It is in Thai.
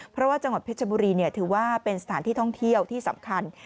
เพราะว่าจังหวัดเพชรบุรีถือว่าเป็นสถานที่ท่องเที่ยวที่สำคัญ